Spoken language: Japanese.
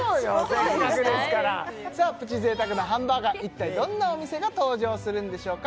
せっかくですからさあプチ贅沢なハンバーガー一体どんなお店が登場するんでしょうか？